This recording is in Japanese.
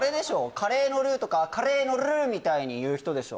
カレーのルーとかカレーのルルゥみたいに言う人でしょ